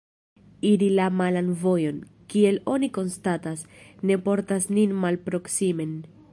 Iri la malan vojon, kiel oni konstatas, ne portas nin malproksimen.